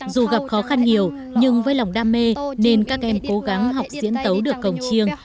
dù gặp khó khăn nhiều nhưng với lòng đam mê nên các em cố gắng học diễn tấu được cổng chiêng